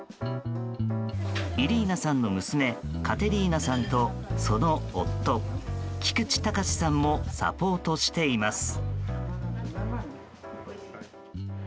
イリーナさんの娘カテリーナさんとその夫、菊地崇さんもサポートしています。